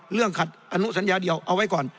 ขัดอนุสัญญาเดียวเอาไว้ก่อน